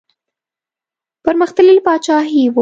پرمختللې پاچاهي وه.